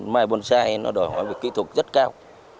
mai bonsai nó đòi hỏi về kỹ thuật rất cao